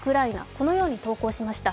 このように投稿しました。